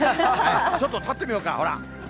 ちょっと立ってみようか、ほら。